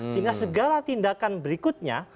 sehingga segala tindakan berikutnya